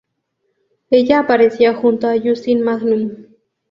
Ella apareció junto con Justin Magnum.